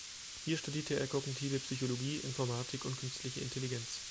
Hier studierte er Kognitive Psychologie, Informatik und Künstliche Intelligenz.